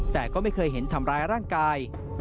แต่ก็ไม่เคยเห็นทำร้ายร่างกาย